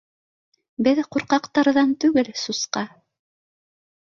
— Беҙ ҡурҡаҡтарҙан түгел, сусҡа